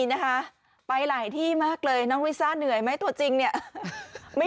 นะคะไปหลายที่มากเลยน้องลิซ่าเหนื่อยไหมตัวจริงเนี่ยไม่